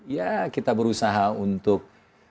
ya kita berusaha untuk